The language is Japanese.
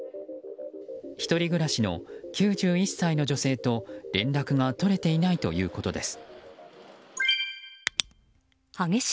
１人暮らしの９１歳の女性と連絡が取れていないということです。